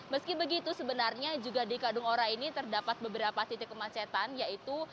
meski begitu sebenarnya juga di kadung ora ini terdapat beberapa titik kemacetan yaitu